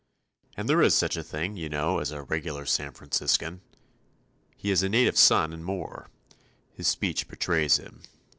And there is such a thing, you know, as a regular San Franciscan. He is a native son and more. His speech betrays him.